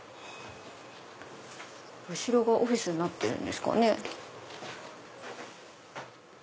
後ろがオフィスになってるんですかね。